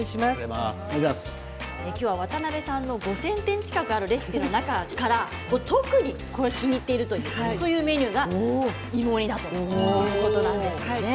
今日は渡辺さんの５０００点近くあるレシピの中から特に気に入っているというメニューが芋煮だということです。